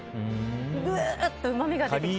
ぶわっとうまみが出てきて。